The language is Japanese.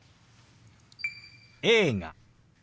「映画」。